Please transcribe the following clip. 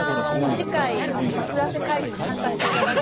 次回バズらせ会議に参加していただく。